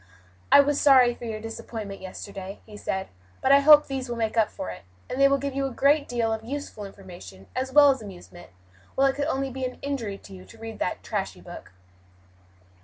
"I was sorry for your disappointment yesterday," he said, "but I hope these will make up for it, and they will give you a great deal of useful information, as well as amusement; while it could only be an injury to you to read that trashy book."